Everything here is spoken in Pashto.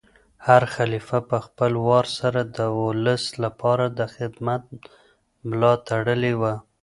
هر خلیفه په خپل وار سره د ولس لپاره د خدمت ملا تړلې وه.